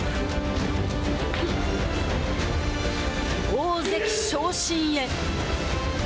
大関昇進へ。